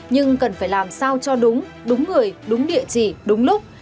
nhưng cần phải làm sao cho đúng đúng người đúng địa chỉ đúng lúc